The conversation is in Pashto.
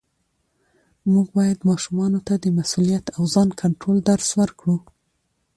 موږ باید ماشومانو ته د مسؤلیت او ځان کنټرول درس ورکړو